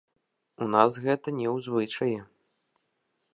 У нас гэта не ў звычаі.